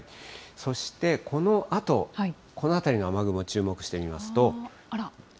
そしてこのあと、この辺りの雨雲、注目してみますと。